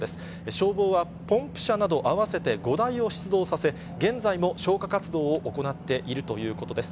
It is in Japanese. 消防はポンプ車など合わせて５台を出動させ、現在も消火活動を行っているということです。